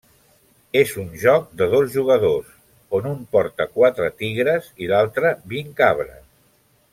És un joc de dos jugadors, on un porta quatre tigres i l'altre vint cabres.